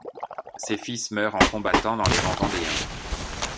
Ses fils meurent en combattant dans les rangs vendéens.